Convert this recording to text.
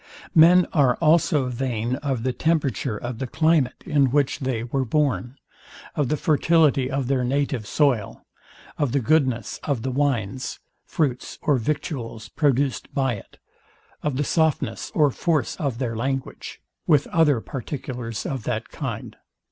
Men are also vain of the temperature of the climate, in which they were born; of the fertility of their native soil; of the goodness of the wines, fruits or victuals, produced by it; of the softness or force of their language; with other particulars of that kind.